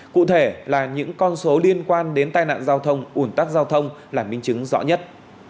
cụ thể là những con số liên quan đến tai nạn giao thông ủn tắc giao thông là minh chứng rõ nhất